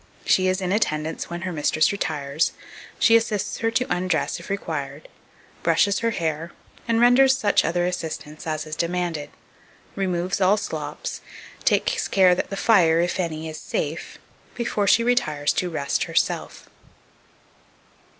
She is in attendance when her mistress retires; she assists her to undress if required, brushes her hair, and renders such other assistance as is demanded; removes all slops; takes care that the fire, if any, is safe, before she retires to rest herself.